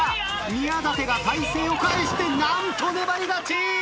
宮舘が体勢を返して何と粘り勝ち！